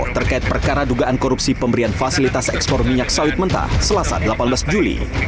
terkait perkara dugaan korupsi pemberian fasilitas ekspor minyak sawit mentah selasa delapan belas juli